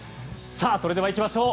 それではいきましょう！